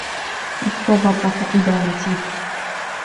اذكر ربك اذا نسيت.